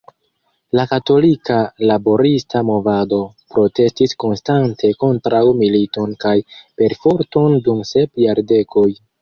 La Katolika Laborista Movado protestis konstante kontraŭ militon kaj perforton dum sep jardekoj.